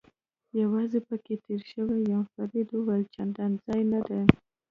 یوازې پکې تېر شوی یم، فرید وویل: چندان ځای نه دی.